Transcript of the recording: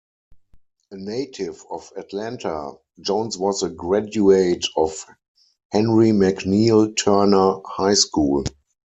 A native of Atlanta, Jones was a graduate of Henry McNeal Turner High School.